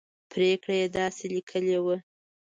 پرېکړه یې داسې لیکلې وه.